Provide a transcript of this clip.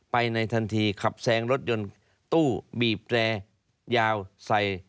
ในทันทีขับแซงรถยนต์ตู้บีบแตรยาวใส่